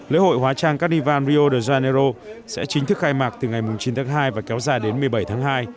lễ hội hóa trang carnival rio de janeiro sẽ chính thức khai mạc từ ngày chín tháng hai và kéo dài đến một mươi bảy tháng hai